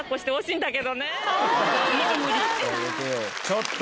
ちょっと！